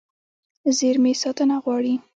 زېرمې ساتنه غواړي.